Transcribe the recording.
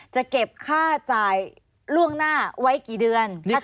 จะเก็บค่าจ่ายล่วงหน้าไว้กี่เดือน